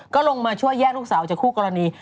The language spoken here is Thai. ก็ลงมาช่วยแยกลูกสาวจากคู่กรณี